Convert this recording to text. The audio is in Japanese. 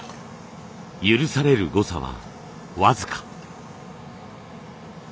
許される誤差は僅か。